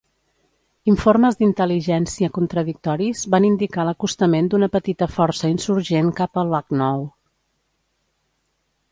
Informes d'intel·ligència contradictoris van indicar l'acostament d'una petita força insurgent cap a Lucknow.